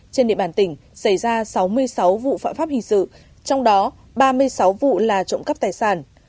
trên địa bàn tỉnh xảy ra sáu mươi sáu vụ phạm pháp hình sự trong đó ba mươi sáu vụ là trộm cắp tài sản